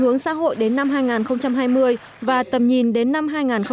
hướng xã hội đến năm hai nghìn hai mươi và tầm nhìn đến năm hai nghìn ba mươi